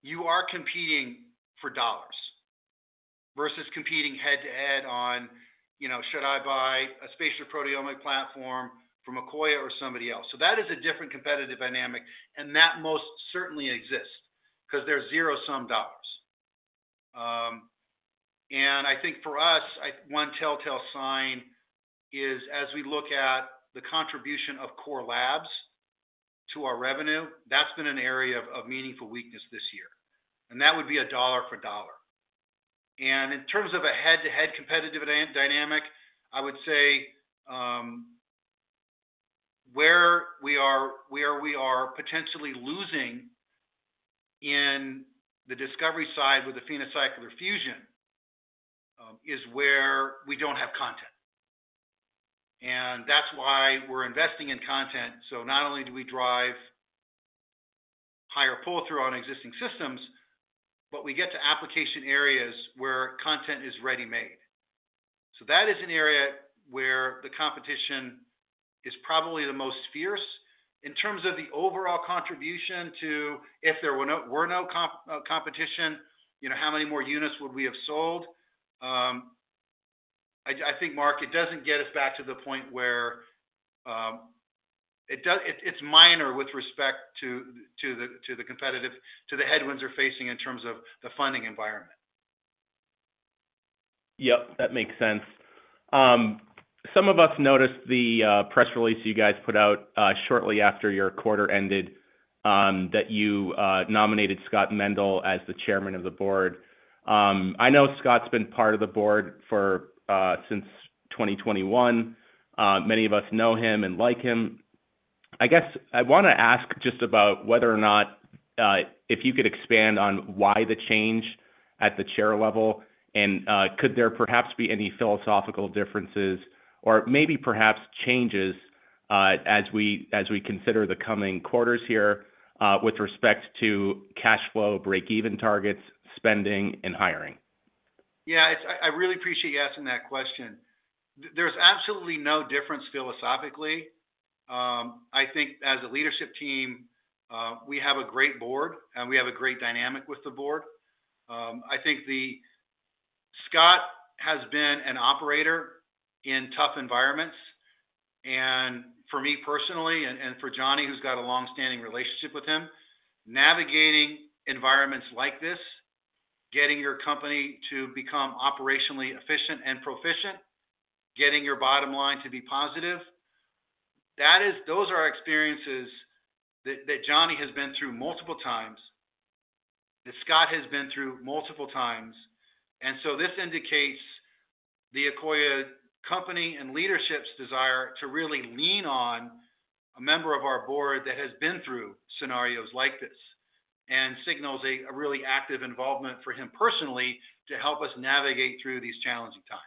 you are competing for dollars versus competing head-to-head on, "Should I buy a spatial proteomic platform from Akoya or somebody else?" So that is a different competitive dynamic, and that most certainly exists because there's zero-sum dollars. And I think for us, one telltale sign is as we look at the contribution of core labs to our revenue, that's been an area of meaningful weakness this year. That would be a dollar for dollar. In terms of a head-to-head competitive dynamic, I would say where we are potentially losing in the discovery side with the PhenoCycler-Fusion is where we don't have content. That's why we're investing in content. Not only do we drive higher pull-through on existing systems, but we get to application areas where content is ready-made. That is an area where the competition is probably the most fierce. In terms of the overall contribution to if there were no competition, how many more units would we have sold? I think, Mark, it doesn't get us back to the point where it's minor with respect to the competitive, to the headwinds we're facing in terms of the funding environment. Yep. That makes sense. Some of us noticed the press release you guys put out shortly after your quarter ended that you nominated Scott Mendel as the chairman of the board. I know Scott's been part of the board since 2021. Many of us know him and like him. I guess I want to ask just about whether or not if you could expand on why the change at the chair level, and could there perhaps be any philosophical differences or maybe perhaps changes as we consider the coming quarters here with respect to cash flow, break-even targets, spending, and hiring? Yeah. I really appreciate you asking that question. There's absolutely no difference philosophically. I think as a leadership team, we have a great board, and we have a great dynamic with the board. I think Scott has been an operator in tough environments. And for me personally and for Johnny, who's got a long-standing relationship with him, navigating environments like this, getting your company to become operationally efficient and proficient, getting your bottom line to be positive, those are experiences that Johnny has been through multiple times, that Scott has been through multiple times. And so this indicates the Akoya company's and leadership's desire to really lean on a member of our board that has been through scenarios like this and signals a really active involvement for him personally to help us navigate through these challenging times.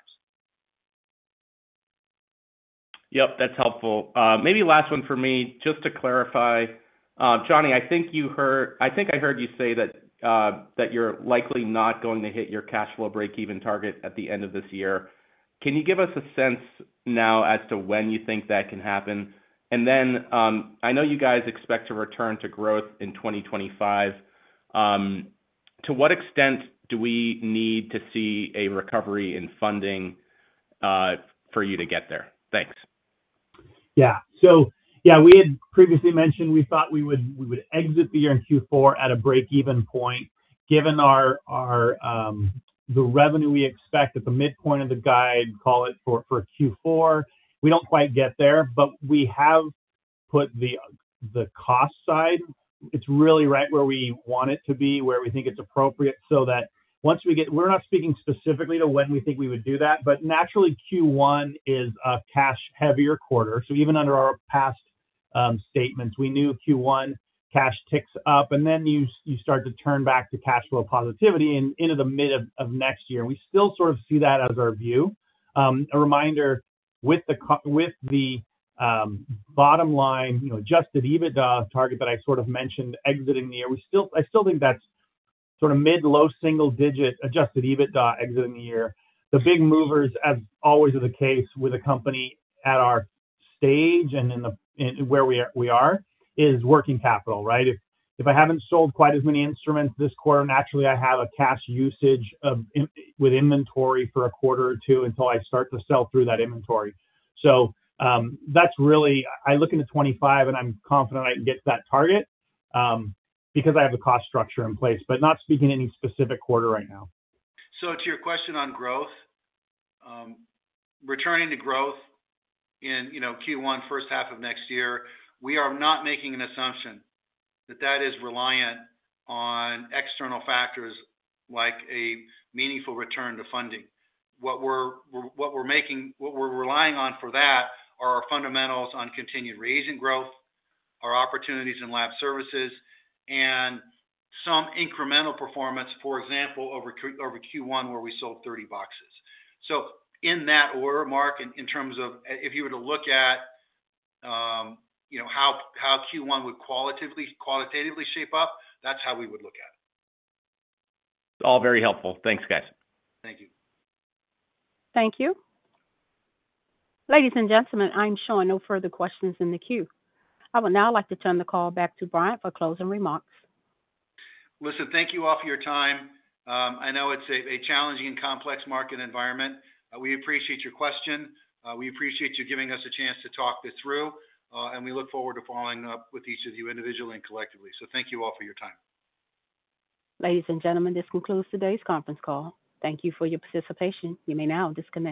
Yep. That's helpful. Maybe last one for me. Just to clarify, Johnny, I think I heard you say that you're likely not going to hit your cash flow break-even target at the end of this year. Can you give us a sense now as to when you think that can happen? And then I know you guys expect to return to growth in 2025. To what extent do we need to see a recovery in funding for you to get there? Thanks. Yeah. So yeah, we had previously mentioned we thought we would exit the year in Q4 at a break-even point. Given the revenue we expect at the midpoint of the guide, call it for Q4, we don't quite get there. But we have put the cost side. It's really right where we want it to be, where we think it's appropriate so that once we get we're not speaking specifically to when we think we would do that. But naturally, Q1 is a cash-heavier quarter. So even under our past statements, we knew Q1 cash ticks up, and then you start to turn back to cash flow positivity into the mid of next year. We still sort of see that as our view. A reminder, with the bottom line adjusted EBITDA target that I sort of mentioned exiting the year, I still think that's sort of mid-low single-digit adjusted EBITDA exiting the year. The big movers, as always is the case with a company at our stage and where we are, is working capital, right? If I haven't sold quite as many instruments this quarter, naturally, I have a cash usage with inventory for a quarter or two until I start to sell through that inventory. So I look into 2025, and I'm confident I can get to that target because I have a cost structure in place. But not speaking any specific quarter right now. So to your question on growth, returning to growth in Q1, first half of next year, we are not making an assumption that that is reliant on external factors like a meaningful return to funding. What we're relying on for that are our fundamentals on continued reagent growth, our opportunities in lab services, and some incremental performance, for example, over Q1 where we sold 30 boxes. So in that order, Mark, in terms of if you were to look at how Q1 would qualitatively shape up, that's how we would look at it. All very helpful. Thanks, guys. Thank you. Thank you. Ladies and gentlemen, I'm sure no further questions in the queue. I would now like to turn the call back to Brian for closing remarks. Listen, thank you all for your time. I know it's a challenging and complex market environment. We appreciate your question. We appreciate you giving us a chance to talk this through, and we look forward to following up with each of you individually and collectively. So thank you all for your time. Ladies and gentlemen, this concludes today's conference call. Thank you for your participation. You may now disconnect.